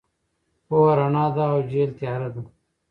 پوهه رڼا ده او جهل تیاره ده.